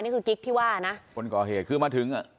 กิ๊กที่ว่านะคนก่อเหตุคือมาถึงอ่ะ